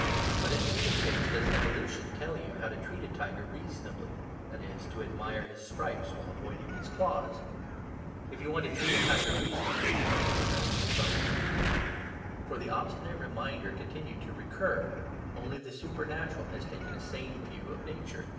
But in neither case does evolution tell you how to treat a tiger reasonably, that is, to admire his stripes while avoiding his claws. If you want to treat a tiger reasonably, you must go back to the garden of Eden. For the obstinate reminder continued to recur: only the supernatural has taken a sane view of Nature.